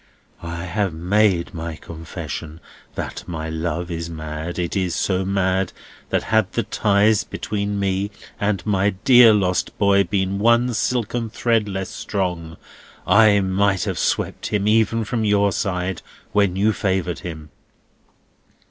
"I have made my confession that my love is mad. It is so mad, that had the ties between me and my dear lost boy been one silken thread less strong, I might have swept even him from your side, when you favoured him."